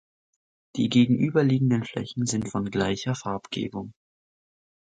Die gegenüberliegenden Flächen sind von gleicher Farbgebung.